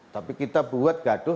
tapi kita buat gaduh